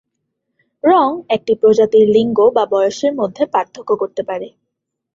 রঙ একটি প্রজাতির লিঙ্গ বা বয়সের মধ্যে পার্থক্য করতে পারে।